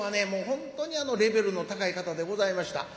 本当にレベルの高い方でございました。